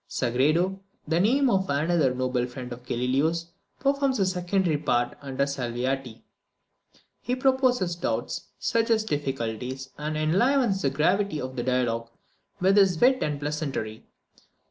Sagredo, the name of another noble friend of Galileo's, performs a secondary part under Salviati. He proposes doubts, suggests difficulties, and enlivens the gravity of the dialogue with his wit and pleasantry.